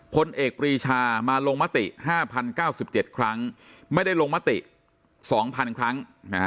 พลเอกปรีชามาลงมติ๕๐๙๗ครั้งไม่ได้ลงมติ๒๐๐๐ครั้ง